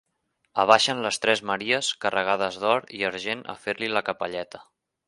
Abaixen les tres Maries carregades d’or i argent a fer-li la capelleta.